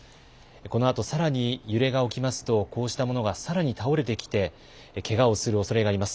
このあとさらに揺れが起きますと、こうしたものがさらに倒れてきて、けがをするおそれがあります。